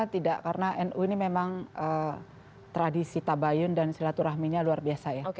tidak karena nu ini memang tradisi tabayun dan silaturahminya luar biasa ya